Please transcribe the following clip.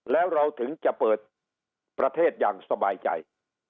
แล้วเราถึงจะเปิดประเทศอย่างสบายใจ